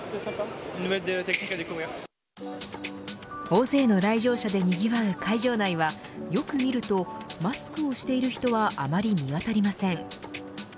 大勢の来場者でにぎわう会場内はよく見るとマスクをしている人はあまり見当たりません。